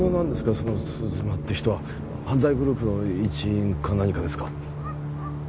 その鈴間って人は犯罪グループの一員か何かですか？